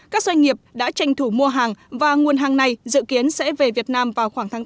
các doanh nghiệp đã tranh thủ mua hàng và nguồn hàng này dự kiến sẽ về việt nam vào khoảng tháng tám